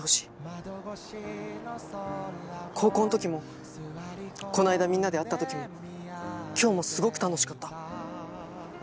高校の時もこの間みんなで会った時も今日もすごく楽しかった。